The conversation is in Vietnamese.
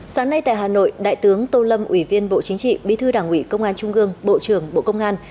sáng nay tại hà nội đại tướng tô lâm ủy viên bộ chính trị bí thư đảng ủy công an trung gương bộ trưởng bộ công an